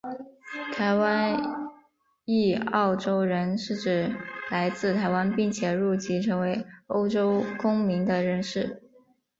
台湾裔澳洲人是指来自台湾并且入籍成为澳洲公民的人士。